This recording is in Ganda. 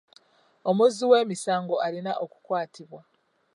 Omuzzi w'emisango alina okukwatibwa.